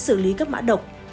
xử lý các mã độc